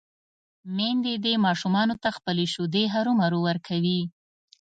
ميندې دې ماشومانو ته خپلې شېدې هرومرو ورکوي